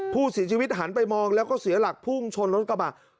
ผู้เสียชีวิตหันไปมองแล้วก็เสียหลักพุ่งชนรถกลับมา